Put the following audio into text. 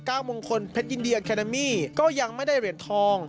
ก้าวมงคลเพชรยินดีแอคแนมี่ก็ยังไม่ได้เหรียญทอง